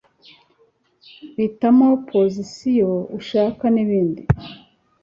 hitamo posisiyo ushaka n'ibindi